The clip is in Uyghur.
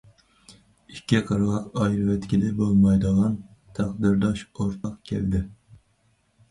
ئىككى قىرغاق ئايرىۋەتكىلى بولمايدىغان تەقدىرداش ئورتاق گەۋدە.